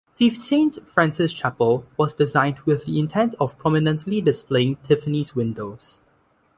The Saint Francis Chapel was designed with the intent of prominently displaying Tiffany's windows.